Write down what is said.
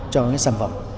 cho sản phẩm